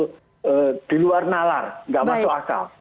baik butuh waktu dua sampai tiga hari begitu ya setelah kemudian masyarakat euforia